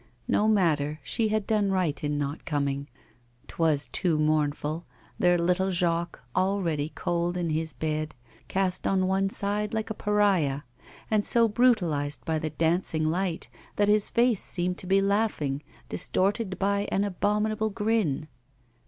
No matter, she had done right in not coming; 'twas too mournful their little Jacques, already cold in his bed, cast on one side like a pariah, and so brutalised by the dancing light that his face seemed to be laughing, distorted by an abominable grin.